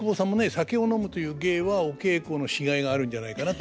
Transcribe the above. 酒を飲むという芸はお稽古のしがいがあるんじゃないかなというふうに。